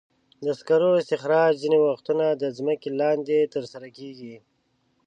د سکرو استخراج ځینې وختونه د ځمکې لاندې ترسره کېږي.